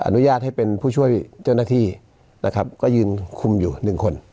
อนุญาตให้เป็นผู้ช่วยเจ้าหน้าที่นะครับก็ยืนคุมอยู่หนึ่งคน